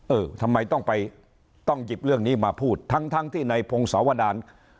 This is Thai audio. เออทำไมต้องไปต้องหยิบเรื่องนี้มาพูดทั้งทั้งที่ในพงศาวดาน